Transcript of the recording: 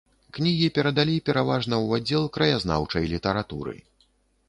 Кнігі перадалі пераважна ў аддзел краязнаўчай літаратуры.